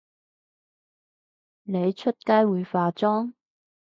你出街會化妝？